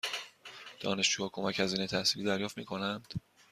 دانشجوها کمک هزینه تحصیلی دریافت می کنند؟